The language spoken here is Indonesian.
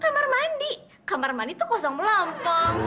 kamar mandi kamar mandi tuh kosong melampang